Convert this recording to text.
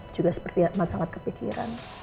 juga seperti amat sangat kepikiran